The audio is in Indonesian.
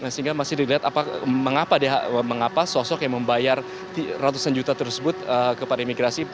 sehingga masih dilihat mengapa sosok yang membayar ratusan juta tersebut kepada imigrasi